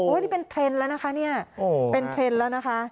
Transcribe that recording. นี่เป็นเทรนด์แล้วนะคะเนี่ยเป็นเทรนด์แล้วนะคะ